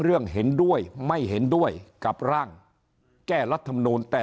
เรื่องเห็นด้วยไม่เห็นด้วยกับร่างแก้รัฐทำโนนแต่